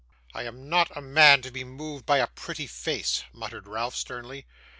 'I am not a man to be moved by a pretty face,' muttered Ralph sternly.